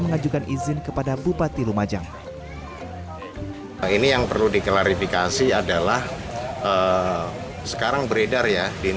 mengajukan izin kepada bupati lumajang ini yang perlu diklarifikasi adalah sekarang beredar ya di